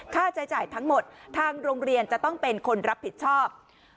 ค่าใช้จ่ายทั้งหมดทางโรงเรียนจะต้องเป็นคนรับผิดชอบ